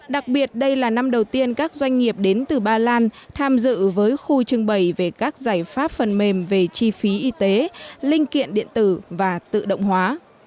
đặc biệt đây là năm đầu tiên các doanh nghiệp đến từ ba lan tham dự với khu trưng bày về các giải pháp phần mềm về chi phí y tế linh kiện điện tử và tự động hóa